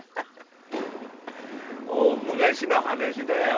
大昔の話だよ。